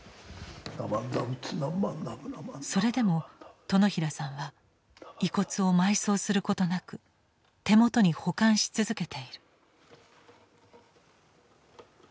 それでも殿平さんは遺骨を埋葬することなく手元に保管し続けている。